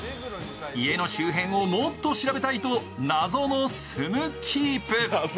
家の周辺をもっと調べたいと謎の住むキープ